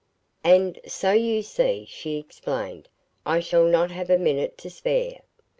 "And so you see," she explained, "I shall not have a minute to spare.